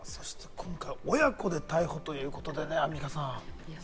今回、親子で逮捕ということでね、アンミカさん。